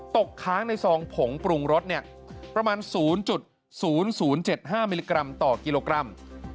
ตกค้างในซองผงปรุงรสประมาณ๐๐๗๕มิลลิกรัมต่อกิโลกรัม